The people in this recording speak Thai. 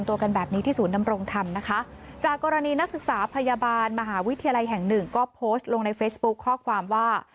ตอนนี้นักศึกษาพยาบาลมหาวิทยาลัยแห่งหนึ่งก็โพสต์ลงในเฟซบุ๊กข้อความว่า